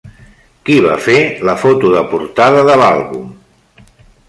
Qui va fer la foto de portada de l'àlbum?